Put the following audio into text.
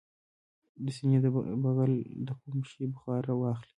د سینې د بغل لپاره د کوم شي بخار واخلئ؟